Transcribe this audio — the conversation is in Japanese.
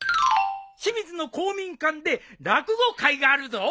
清水の公民館で落語会があるぞ。